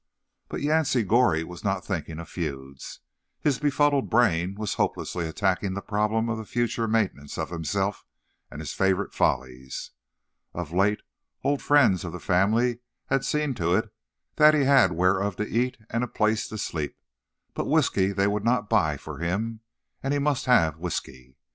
But Yancey Goree was not thinking of feuds. His befuddled brain was hopelessly attacking the problem of the future maintenance of himself and his favourite follies. Of late, old friends of the family had seen to it that he had whereof to eat and a place to sleep—but whiskey they would not buy for him, and he must have whiskey.